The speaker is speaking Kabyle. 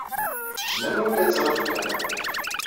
Wissen anwa i la yettṛaju Kamal.